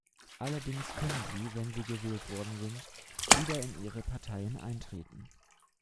Allerdings können sie, wenn sie gewählt worden sind, wieder in ihre Parteien eintreten.